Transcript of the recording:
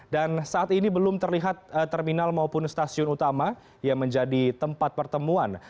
dan saat ini belum terlihat terminal maupun stasiun utama yang menjadi tempat pertemuan